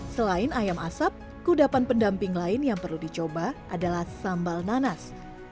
selain ayam asap kudapan pendamping lain yang perlu dicoba adalah sambal nanas